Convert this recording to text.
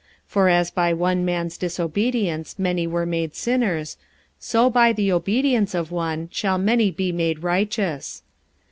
45:005:019 For as by one man's disobedience many were made sinners, so by the obedience of one shall many be made righteous.